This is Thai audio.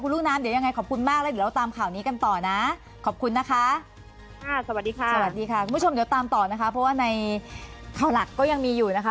สวัสดีค่ะสวัสดีค่ะคุณผู้ชมเดี๋ยวตามต่อนะคะเพราะว่าในข่าวหลักก็ยังมีอยู่นะคะ